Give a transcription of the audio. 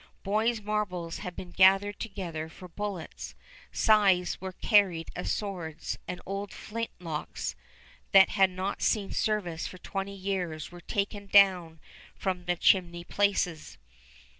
Boys' marbles had been gathered together for bullets. Scythes were carried as swords, and old flintlocks that had not seen service for twenty years were taken down from the chimney places.